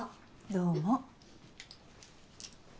どうも。